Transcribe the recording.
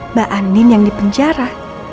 mbak andin yang di penjara